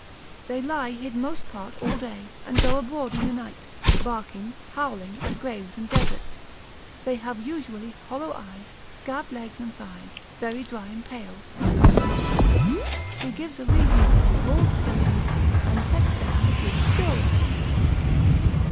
They lie hid most part all day, and go abroad in the night, barking, howling, at graves and deserts; they have usually hollow eyes, scabbed legs and thighs, very dry and pale, saith Altomarus; he gives a reason there of all the symptoms, and sets down a brief cure of them.